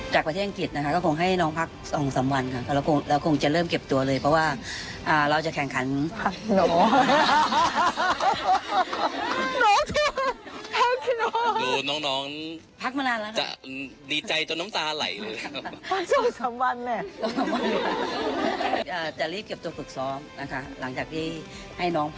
จะแข่งขันวันที่๓๐มิถุนายน